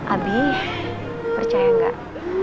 abi percaya gak